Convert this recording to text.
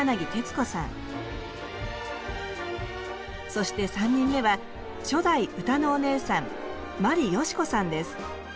そして３人目は初代歌のお姉さん眞理ヨシコさんです。